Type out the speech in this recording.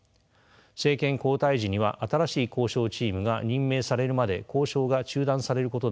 政権交代時には新しい交渉チームが任命されるまで交渉が中断されることでしょう。